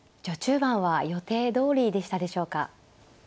序中盤は予定どおりでしたでしょうか。